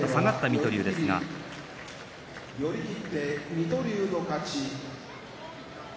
水戸龍の勝ちです。